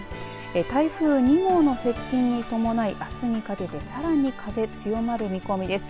台風２号の接近に伴いあすにかけてさらに風強まる見込みです。